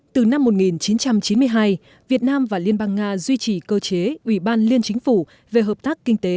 từ năm một nghìn chín trăm chín mươi hai việt nam và liên bang nga duy trì cơ chế ủy ban liên chính phủ về hợp tác kinh tế